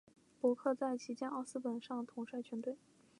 伯克在旗舰奥斯本上统帅全队。